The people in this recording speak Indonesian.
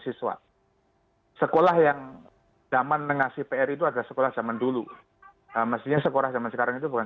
siswa sekolah yang zaman mengasih pr itu ada sekolah zaman dulu mestinya sekolah zaman sekarang itu bukan